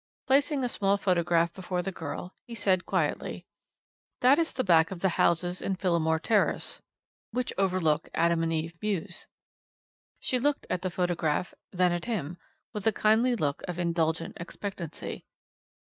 Placing a small photograph before the girl, he said quietly: "That is the back of the houses in Phillimore Terrace, which overlook Adam and Eve Mews." She looked at the photograph, then at him, with a kindly look of indulgent expectancy.